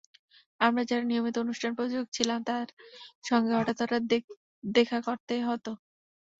আমরা যাঁরা নিয়মিত অনুষ্ঠানের প্রযোজক ছিলাম, তাঁর সঙ্গে হঠাৎ হঠাৎ দেখা করতে হতো।